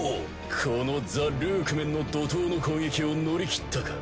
このザ・ルークメンの怒とうの攻撃を乗り切ったか。